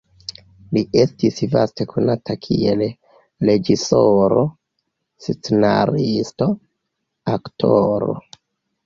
Li estis vaste konata kiel reĝisoro, scenaristo, aktoro.